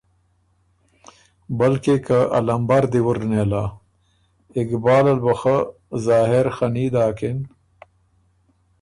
بلکې که ا لمبر دی وُر نېله۔ اقبال ال بُو خه ظاهر خني داکِن